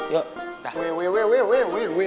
yaudah yuk dah